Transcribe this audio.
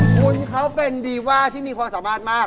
คุณเขาเป็นดีว่าที่มีความสามารถมาก